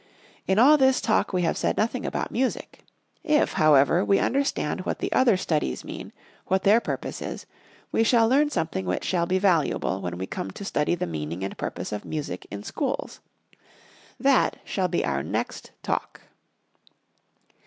In all this Talk we have said nothing about Music. If, however, we understand what the other studies mean, what their purpose is, we shall learn something which shall be valuable when we come to study the meaning and purpose of music in schools. That shall be our next Talk.